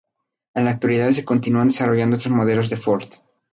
En la actualidad se continúan desarrollando estos modelos de Ford.